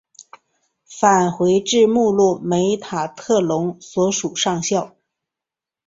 返回至目录梅塔特隆所属上校。